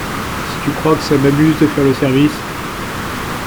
Si tu crois que ça m’amuse de faire le service…